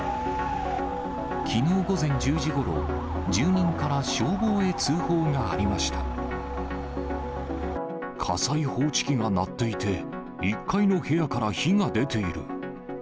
きのう午前１０時ごろ、火災報知機が鳴っていて、１階の部屋から火が出ている。